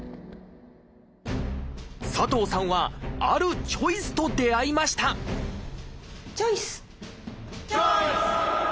佐藤さんはあるチョイスと出会いましたチョイス！